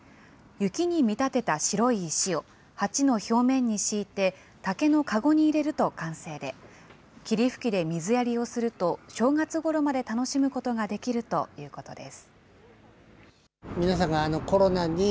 雪に見立てた白い石を鉢の表面に敷いて、竹の籠に入れると完成で、霧吹きで水やりをすると、正月ごろまで楽しむことができるということです。